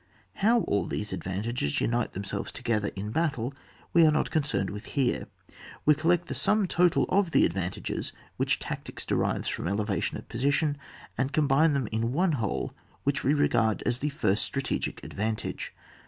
How all these advantages unite themselves together in battle we are not concerned with here ; we collect the sum total of the advan tages which tactics derives from elevation of position and combine them in one whole which we regard as the first stra tegic advantage.